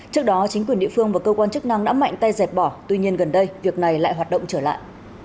trước đó chính quyền địa phương và cơ quan chức năng đã mạnh tay dẹp bỏ tuy nhiên gần đây việc này lại hoạt động trở lại